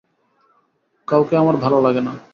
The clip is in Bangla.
কাউকে আমার ভালো লাগে না।